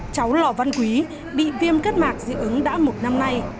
cháu lò văn quý bị viêm kết mạc dị ứng đã một năm nay